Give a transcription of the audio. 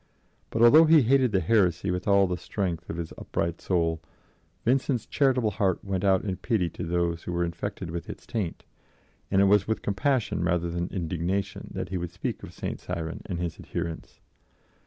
But although he hated the heresy with all the strength of his upright soul, Vincent's charitable heart went out in pity to those who were infected with its taint, and it was with compassion rather than indignation that he would speak of St. Cyran and his adherents.